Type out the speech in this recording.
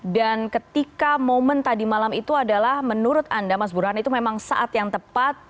dan ketika momen tadi malam itu adalah menurut anda mas burhan itu memang saat yang tepat